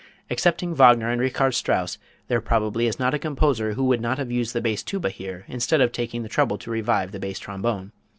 Excepting Wagner and Richard Strauss, there probably is not a composer who would not have used the bass tuba here instead of taking the trouble to revive the bass trombone.